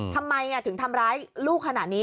ทำไมถึงทำร้ายลูกขนาดนี้